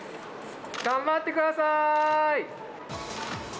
頑張ってください！